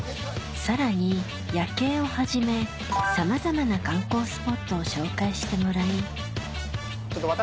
さらに夜景をはじめさまざまな観光スポットを紹介してもらい私